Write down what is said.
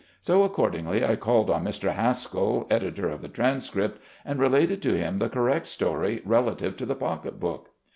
So accordingly I called on Mr. Haskill, editor of the Transcript, and related to him the correct story relative to the pocket book.